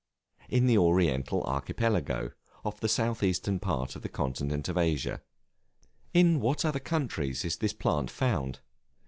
In the Oriental Archipelago, off the south eastern part of the continent of Asia. In what other countries is this plant found?